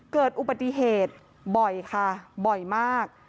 เกิดอุบัติเหตุบ่อยค่ะบ่อยมาก